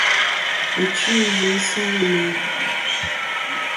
Ɨchfɨ̀-iyvɨ-i salɨ meyn.